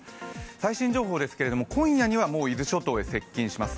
最新情報ですけれども、今夜には伊豆諸島に接近します。